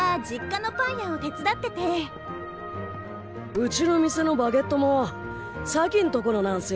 うちの店のバゲットも咲んとこのなんすよ。